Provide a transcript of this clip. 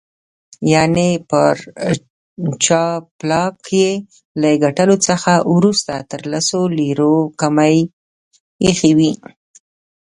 یعني پر جاپلاک یې له ګټلو څخه وروسته تر لسو لیرو کمې ایښي وې.